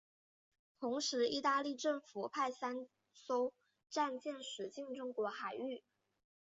同时意大利政府派三艘战舰驶进中国海域。